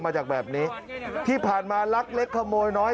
แบบนี้ที่ผ่านมาลักเล็กขโมยน้อย